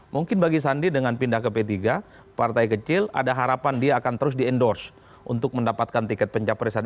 mungkin bagi sandi dengan pindah ke p tiga partai kecil ada harapan dia akan terus di endorse untuk mendapatkan tiket pencapresan